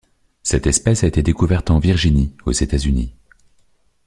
Cette espèce a été découverte en Virginie aux États-Unis.